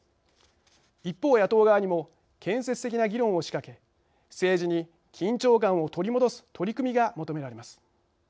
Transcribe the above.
一方野党側にも建設的な議論を仕掛け政治に緊張感を取り戻す取り組みが求められます。